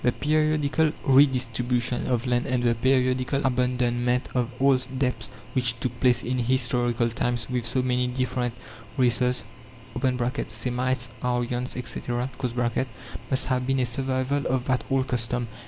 The periodical redistribution of land and the periodical abandonment of all debts which took place in historical times with so many different races (Semites, Aryans, etc.), must have been a survival of that old custom.